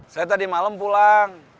saya tadi malem pulang